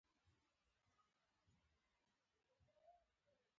د پوهنتون ژوند د ذهني وړتیاوې زیاتوي.